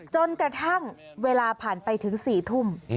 จนกระทั่งเวลาผ่านไปถึง๔ทุ่ม